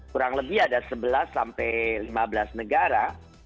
kurang lebih ada sebelas sampai lima belas negara